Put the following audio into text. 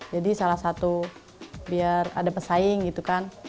jadi salah satu biar ada pesaing gitu kan